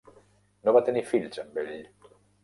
No va tenir fills amb ell.